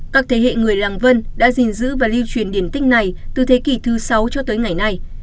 các thế hệ người làng vân đã gìn giữ và lưu truyền điển tích này từ thế kỷ thứ sáu cho tới ngày nay